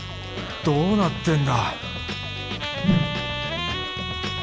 どうなってんだ？